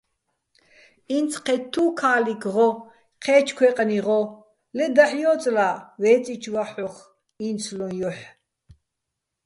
ინც ჴეთთუ́ ქა́ლიქ ღო, ჴე́ჩო̆ ქვეყნი ღო, ლე დაჰ̦ ჲო́წლა ვე́წიჩო̆ ვაჰ̦ოხ ი́ნცლუჼ ჲოჰ̦.